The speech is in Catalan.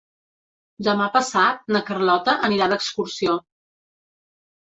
Demà passat na Carlota anirà d'excursió.